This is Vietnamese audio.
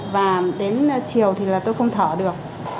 và đến chiều thì là tôi không thở được